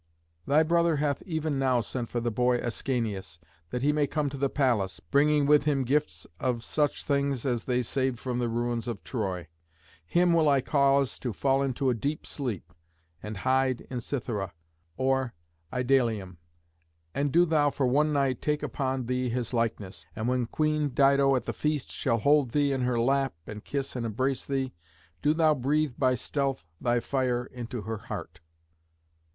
Thy brother hath even now sent for the boy Ascanius, that he may come to the palace, bringing with him gifts of such things as they saved from the ruins of Troy. Him will I cause to fall into a deep sleep, and hide in Cythera or Idalium, and do thou for one night take upon thee his likeness. And when Queen Dido at the feast shall hold thee in her lap, and kiss and embrace thee, do thou breathe by stealth thy fire into her heart."